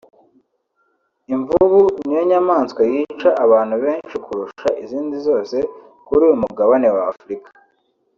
imvubu niyo nyamaswa yica abantu benshi kurusha izindi zose kuri uyu mugabane wa Afurika